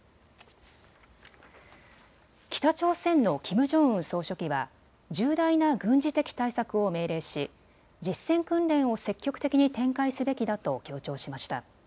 北朝鮮のキム・ジョンウン総書記は重大な軍事的対策を命令し実戦訓練を積極的に展開すべきだと強調しました。